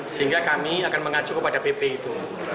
sehingga kami akan mengacu kepada pp itu